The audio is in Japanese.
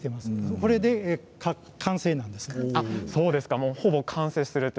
これで完成なんです。